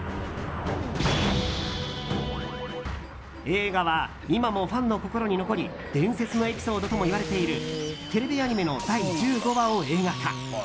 映画は今もファンの心に残り伝説のエピソードともいわれているテレビアニメの第１５話を映画化。